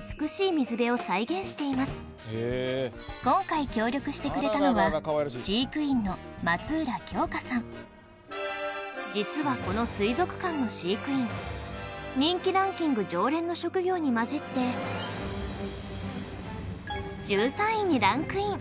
今回協力してくれたのは飼育員の松浦香佳さん実はこの水族館の飼育員人気ランキング常連の職業にまじって１３位にランクイン